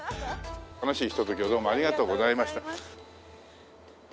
楽しいひと時をどうもありがとうございました。